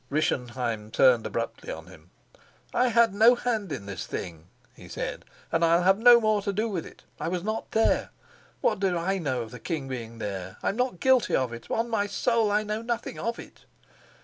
Rischenheim turned abruptly on him. "I had no hand in this thing," he said, "and I'll have no more to do with it. I was not there. What did I know of the king being there? I'm not guilty of it: on my soul, I know nothing of it."